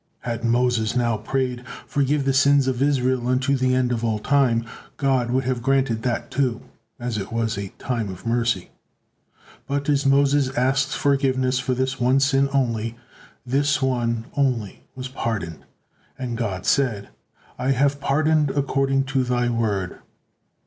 Had Moses now prayed, "Forgive the sins of Israel unto the end of all time," God would have granted that too, as it was a time of mercy; but as Moses asked forgiveness for this one sin only, this one only was pardoned, and God said: "I have pardoned according to thy word."